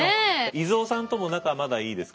以蔵さんとも仲まだいいですか？